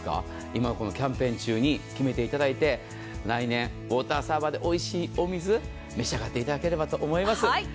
今のキャンペーン中に決めていただいて来年ウォーターサーバーでおいしいお水召し上がっていただければと思います。